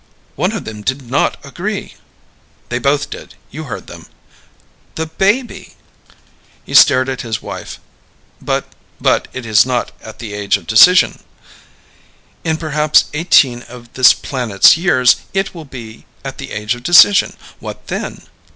"One of them did not agree!" "They both did. You heard them." "The baby?" He stared at his wife. "But but it is not at the age of decision!" "In perhaps eighteen of this planet's years, it will be at the age of decision. What then?"